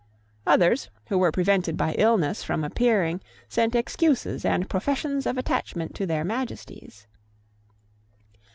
Others, who were prevented by illness from appearing, sent excuses and professions of attachment to their Majesties.